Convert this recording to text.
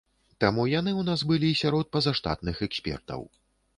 Таму яны ў нас былі сярод пазаштатных экспертаў.